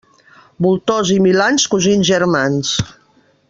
Voltors i milans, cosins germans.